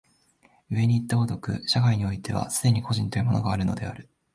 上にいった如く、社会においては既に個人というものがあるのである。